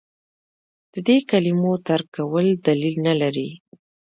د دې کلمو ترک کول دلیل نه لري.